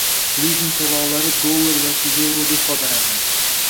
Lizing to‘lovlari dollar yoki yevroda ifodalangan.